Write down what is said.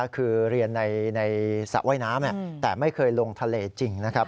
คือเรียนในสระว่ายน้ำแต่ไม่เคยลงทะเลจริงนะครับ